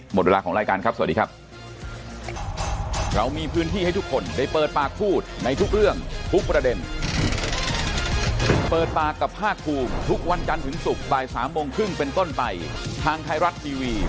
หมดเวลาของรายการครับสวัสดีครับ